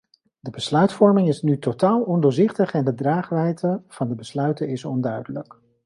De besluitvorming is nu totaal ondoorzichtig en de draagwijdte van de besluiten is onduidelijk.